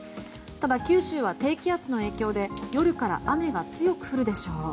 ただ、九州は低気圧の影響で夜から雨が強く降るでしょう。